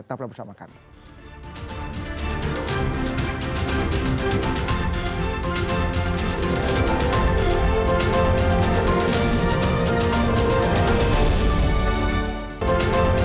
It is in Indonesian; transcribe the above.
tetap bersama kami